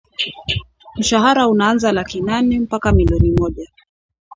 mshahara unaanzia laki nane mpaka milioni moja